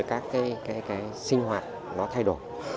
các sinh hoạt nó thay đổi